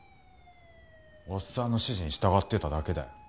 おっさんの指示に従ってただけだよ。